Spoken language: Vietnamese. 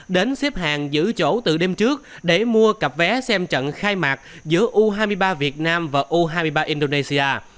đến xếp hàng giữ chỗ từ đêm trước để mua cặp vé xem trận khai mạc giữa u hai mươi ba việt nam và u hai mươi ba indonesia